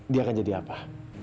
dia akan jadi apa